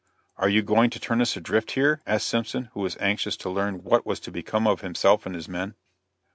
"Are you going to turn us adrift here?" asked Simpson, who was anxious to learn what was to become of himself and his men.